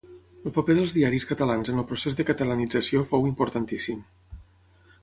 El paper dels diaris catalans en el procés de catalanització fou importantíssim.